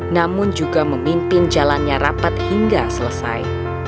namun juga memimpin jalannya rapat hingga selesai